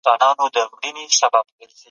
دغه ښارګوټی د مسافرو لپاره یو خوندي ځای دی.